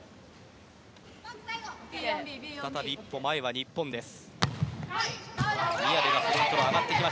再び１歩前は日本です。